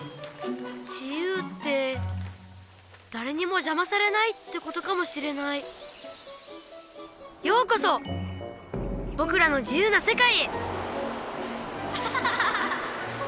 自由ってだれにもじゃまされないってことかもしれないようこそぼくらの自由なせかいへ！